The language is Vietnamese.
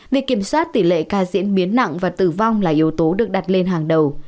việc kiểm soát tỷ lệ ca diễn biến nặng và tử vong là yếu tố được đặt lên hàng đầu